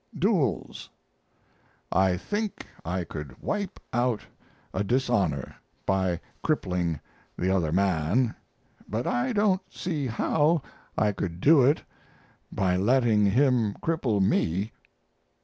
DUELS I think I could wipe out a dishonor by crippling the other man, but I don't see how I could do it by letting him cripple me.